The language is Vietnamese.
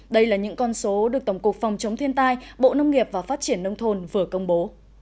đây là những con số được tổng cục phòng chống thiên tai bộ nông nghiệp và phát triển nông thôn vừa công bố